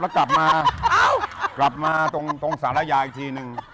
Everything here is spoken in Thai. แล้วจับมารอบมาตรงสาระยาอีกทีนึง